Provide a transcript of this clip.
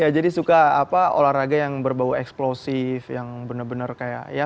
jadi suka olahraga yang berbau eksplosif yang benar benar kayak